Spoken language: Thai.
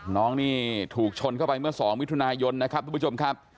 น้องนี่ถูกชนเข้าไปเมื่อ๒มิถุนายนนะครับทุกผู้ชมครับ